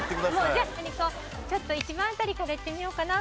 じゃあちょっと１番辺りからいってみようかな。